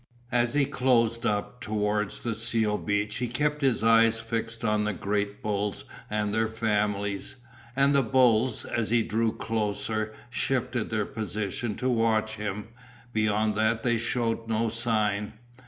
As he closed up towards the seal beach he kept his eyes fixed on the great bulls and their families, and the bulls, as he drew closer, shifted their position to watch him, beyond that they shewed no sign.